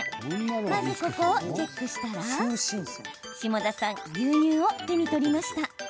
まず、ここをチェックしたら下田さん牛乳を手に取りました。